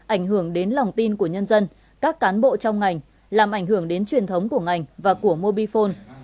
ảnh hưởng đến lòng tin của nhân dân các cán bộ trong ngành làm ảnh hưởng đến truyền thống của ngành và của mobifone